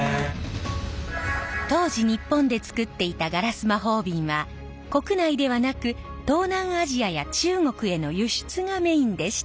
当時日本でつくっていたガラス魔法瓶は国内ではなく東南アジアや中国への輸出がメインでした。